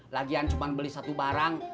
lagian cuma beli satu barang